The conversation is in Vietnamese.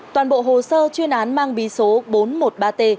toàn bộ hồ sơ chuyên án mang bí số bốn trăm một mươi ba t